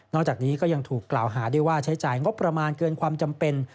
จากนี้ก็ยังถูกกล่าวหาด้วยว่าใช้จ่ายงบประมาณเกินความจำเป็น